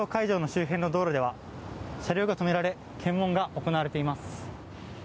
周辺の道路では車両が止められ検問が行われています。